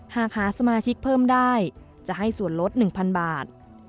หากหาสมาชิกเพิ่มได้จะให้ส่วนลด๑๐๐บาท